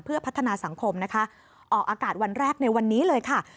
เพื่อพัฒนาสังคมนะคะออกอากาศวันแรกในวันนี้เลยค่ะ